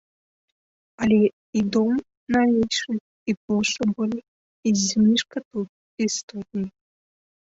Але і дом навейшы, і плошча болей, і зніжка тут істотней.